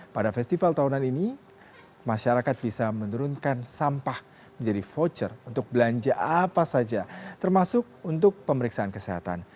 pada festival tahunan ini masyarakat bisa menurunkan sampah menjadi voucher untuk belanja apa saja termasuk untuk pemeriksaan kesehatan